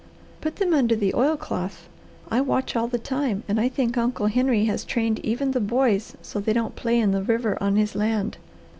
"Put them under the oilcloth. I watch all the time and I think Uncle Henry has trained even the boys so they don't play in the river on his land.